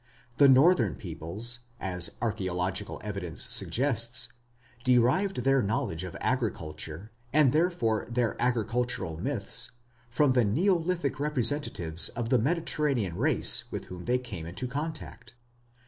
The Northern peoples, as archaeological evidence suggests, derived their knowledge of agriculture, and therefore their agricultural myths, from the Neolithic representatives of the Mediterranean race with whom they came into contact.